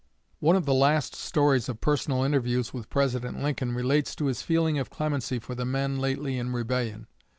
One of the last stories of personal interviews with President Lincoln relates to his feeling of clemency for the men lately in rebellion.